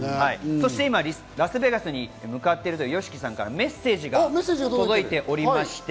今、ラスベガスに向かっているというＹＯＳＨＩＫＩさんからメッセージが届いています。